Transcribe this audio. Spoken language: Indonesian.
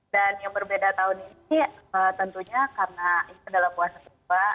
dan yang berbeda tahun ini tentunya karena ini adalah puasa ke lima